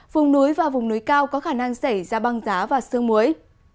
vùng núi và vùng núi cao có khả năng xảy ra băng giá và sương muối